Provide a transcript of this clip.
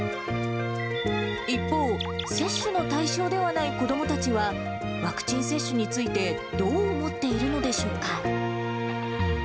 一方、接種の対象ではない子どもたちは、ワクチン接種についてどう思っているのでしょうか。